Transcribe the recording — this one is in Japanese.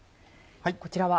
こちらは？